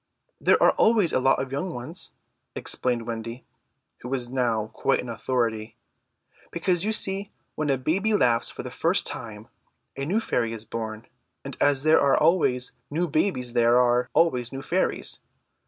"There are always a lot of young ones," explained Wendy, who was now quite an authority, "because you see when a new baby laughs for the first time a new fairy is born, and as there are always new babies there are always new fairies.